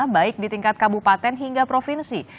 baik di tingkat kabupaten hingga provinsi